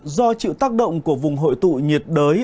do chịu tác động của vùng hội tụ nhiệt đới